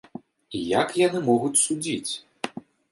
І як яны могуць судзіць?